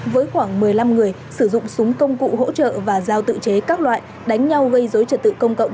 với khoảng một mươi năm người sử dụng súng công cụ hỗ trợ và giao tự chế các loại đánh nhau gây dối trật tự công cộng